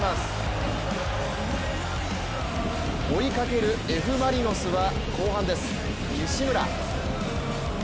追いかけるＦ・マリノスは後半です、西村。